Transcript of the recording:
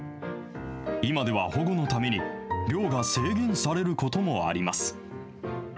今では保護のために、漁が制限されることもあります。